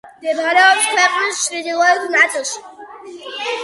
მდებარეობს ქვეყნის ჩრდილოეთ ნაწილში.